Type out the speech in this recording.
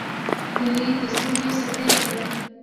هیلۍ د سولې سفیره ده